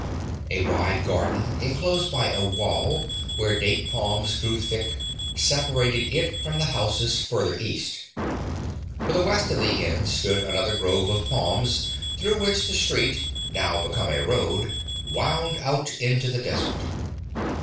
A wide garden, enclosed by a wall, where date palms grew thick, separated it from the houses farther east. To the west of the inn stood another grove of palms, through which the street, now become a road, wound out into the desert.